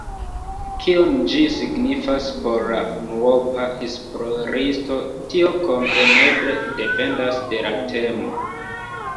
Kion ĝi signifas por la unuopa esploristo, tio kompreneble dependas de la temo.